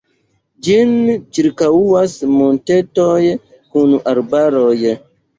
Ĝin ĉirkaŭas montetoj kun arbaroj.